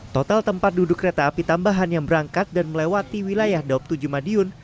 total tempat duduk kereta api tambahan yang berangkat dan melewati wilayah daob tujuh madiun